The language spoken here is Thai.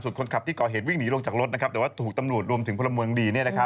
ส่วนคนขับที่ก่อเหตุวิ่งหนีลงจากรถแต่ว่าถูกตำรวจรวมถึงพลเมืองดี